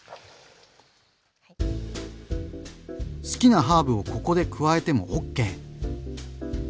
好きなハーブをここで加えてもＯＫ！